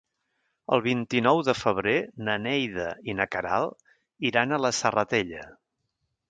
El vint-i-nou de febrer na Neida i na Queralt iran a la Serratella.